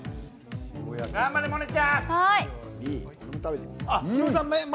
頑張れ萌音ちゃん！